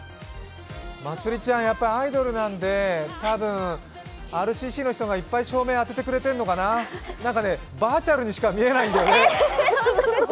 まつりちゃん、やっぱりアイドルなんで、多分、ＲＣＣの人がいっぱい照明当ててくれてるのかななんかね、バーチャルにしか見えないんだよね。